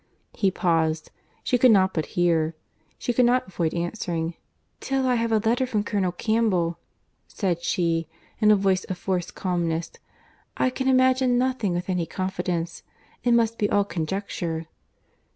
He paused. She could not but hear; she could not avoid answering, "Till I have a letter from Colonel Campbell," said she, in a voice of forced calmness, "I can imagine nothing with any confidence. It must be all conjecture."